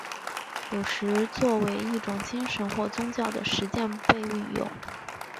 有时作为一种精神或宗教的实践被运用。